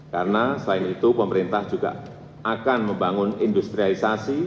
karena selain itu pemerintah juga akan membangun industrialisasi